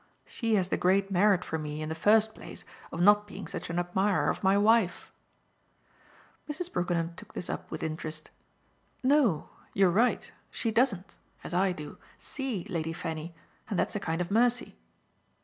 She has the great merit for me, in the first place, of not being such an admirer of my wife." Mrs. Brookenham took this up with interest. "No you're right; she doesn't, as I do, SEE Lady Fanny, and that's a kind of mercy."